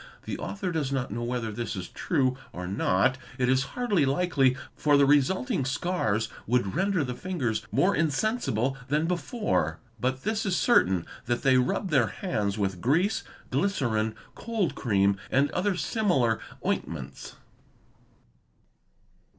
The author does not know whether this is true or not; it is hardly likely, for the resulting scars would render the fingers more insensible than before. But this is certain that they rub their hands with grease, glycerine, cold cream, and other similar ointments.